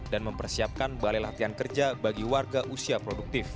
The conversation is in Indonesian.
dan mempersiapkan balai latihan kerja bagi warga usia produktif